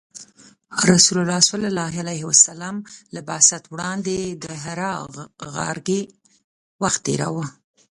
رسول الله ﷺ له بعثت وړاندې د حرا غار کې وخت تیراوه .